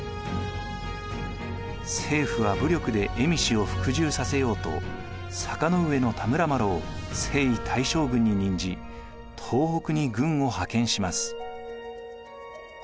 政府は武力で蝦夷を服従させようと坂上田村麻呂を征夷大将軍に任じ東北に軍を派遣します。